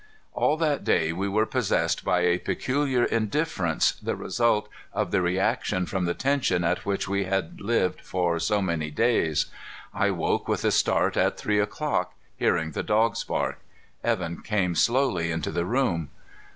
All that day we were possessed by a peculiar indifference, the result of the reaction from the tension at which we had lived for so many days. I woke with a start at three o'clock, hearing the dogs bark. Evan came slowly into the room.